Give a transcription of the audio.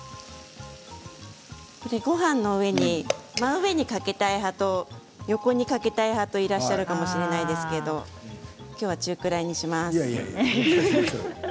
ごはんの上に真上にかけたい派と横にかけたい派といらっしゃるかもしれないですけどきょうは中ぐらいにします。